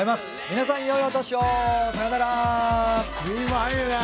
皆さんよいお年をさようなら。